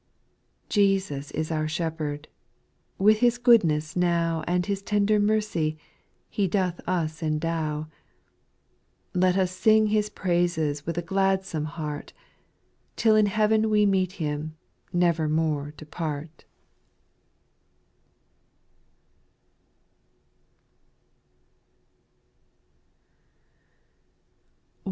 6. Jesus is our Shepherd ;— with His goodness now And His tender mercy, He doth us endow I Let us sing His praises with a gladsome heart, Till in heaven we meet Him, never more to part.